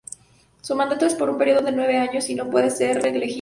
Su mandato es por un período de nueve años, y no pueden ser reelegidos.